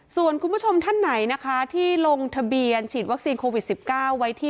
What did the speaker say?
ส่วนคุณผู้ชมท่านไหนที่ลงทะเบียนฉีดวัคซีนโควิด๑๙